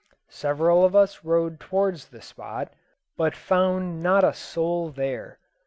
Several of us rode towards the spot, but found not a soul there.